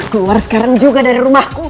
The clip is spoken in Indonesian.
keluar sekarang juga dari rumahku